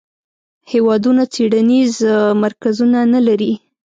هیوادونه څیړنیز مرکزونه نه لري.